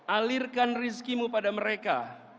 alirkan rizkimu pada mereka